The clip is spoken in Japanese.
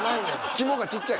肝がちっちゃい。